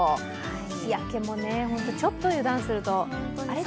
日焼けも本当にちょっと油断すると、あれって。